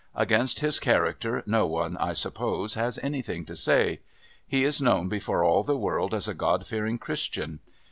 Against his character no one, I suppose, has anything to say. He is known before all the world as a God fearing Christian.